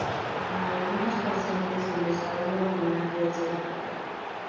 En algunas pacientes el desarrollo vaginal puede ser afectado.